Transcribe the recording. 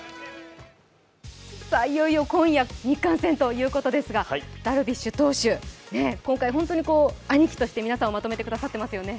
いよいよ今夜日韓戦ということですが、ダルビッシュ投手、今回本当にアニキとして皆さんをまとめてくださっていますよね。